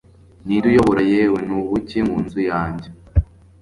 ninde uyobora yew n'ubuki mu nzu yanjye